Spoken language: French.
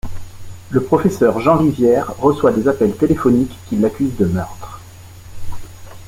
Le professeur Jean Rivière reçoit des appels téléphoniques qui l'accusent de meurtre.